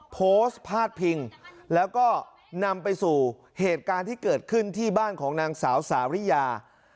โพสต์พาดพิงแล้วก็นำไปสู่เหตุการณ์ที่เกิดขึ้นที่บ้านของนางสาวสาวิยา